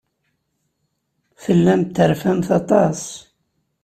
Tellamt terfamt aṭas.